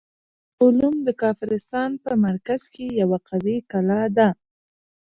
کولوم د کافرستان په مرکز کې یوه قوي کلا ده.